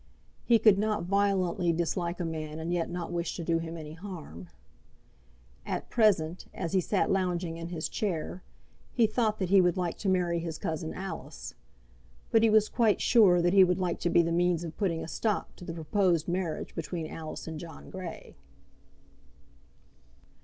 He could not violently dislike a man and yet not wish to do him any harm. At present, as he sat lounging in his chair, he thought that he would like to marry his cousin Alice; but he was quite sure that he would like to be the means of putting a stop to the proposed marriage between Alice and John Grey.